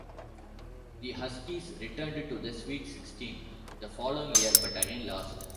The Huskies returned to the Sweet Sixteen the following year, but again lost.